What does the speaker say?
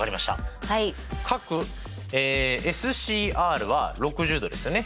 角ＳＣＲは６０°ですよね